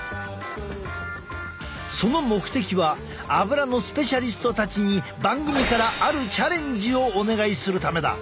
その目的はアブラのスペシャリストたちに番組からあるチャレンジをお願いするためだ。